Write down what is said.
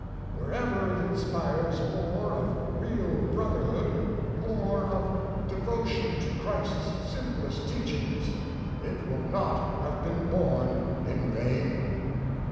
Wherever it inspires more of real brotherhood, more of devotion to Christ's simplest teachings, it will not have been borne in vain.